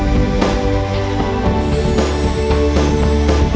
terima kasih dewa ya